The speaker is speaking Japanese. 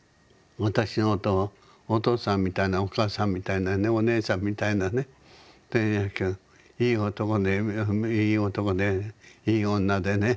私のことをお父さんみたいなお母さんみたいなねお姉さんみたいなねいい男でいい男でいい女でね